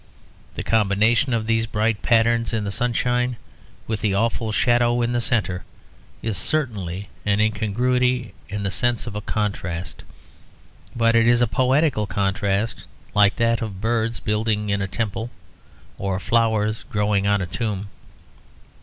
The combination of these bright patterns in the sunshine with the awful shadow in the centre is certainly an incongruity in the sense of a contrast. But it is a poetical contrast, like that of birds building in a temple or flowers growing on a tomb.